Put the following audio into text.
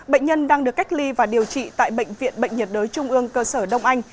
bệnh nhân đang được cách ly và điều trị tại bệnh viện bệnh nhiệt đới trung ương cơ sở đông anh